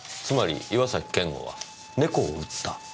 つまり岩崎健吾は猫を撃った？